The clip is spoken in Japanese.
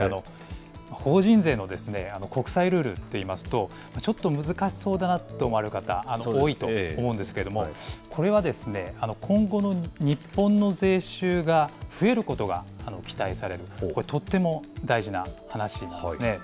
法人税の国際ルールって言いますと、ちょっと難しそうだなと思われる方、多いと思うんですけれども、これはですね、今後の日本の税収が増えることが期待される、とっても大事な話なんですね。